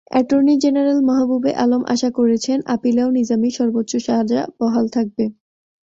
Attorney general Mahbubey Alam আশা করেছেন, আপিলেও নিজামীর সর্বোচ্চ সাজা বহাল থাকবে।